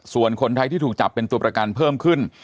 ส่วนคนไทยที่ถูกจับเป็นตัวประกันเพิ่มขึ้น